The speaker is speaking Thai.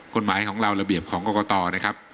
กฎหมายของเราระเบียบของกรกตนะครับ